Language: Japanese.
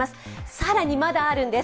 更にまだあるんです。